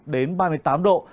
ba mươi năm đến ba mươi tám độ